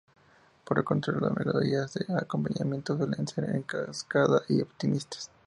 Por el contrario, las melodías de acompañamiento suelen ser en cascada y optimistas.